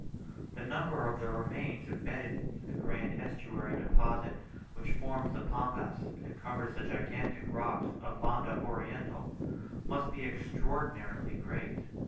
The number of the remains embedded in the grand estuary deposit which forms the Pampas and covers the granitic rocks of Banda Oriental, must be extraordinarily great.